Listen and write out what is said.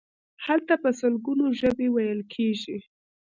هلته په سلګونو ژبې ویل کیږي.